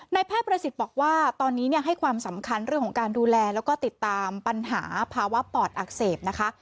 แพทย์ประสิทธิ์บอกว่าตอนนี้ให้ความสำคัญเรื่องของการดูแลแล้วก็ติดตามปัญหาภาวะปอดอักเสบนะคะ